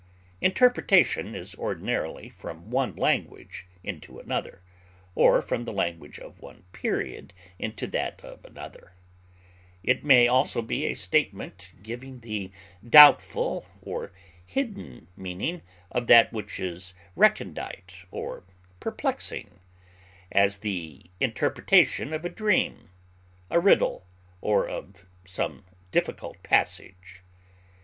Interpretation is ordinarily from one language into another, or from the language of one period into that of another; it may also be a statement giving the doubtful or hidden meaning of that which is recondite or perplexing; as, the interpretation of a dream, a riddle, or of some difficult passage.